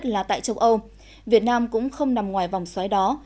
là tại châu âu việt nam cũng không nằm ngoài vòng xoáy đó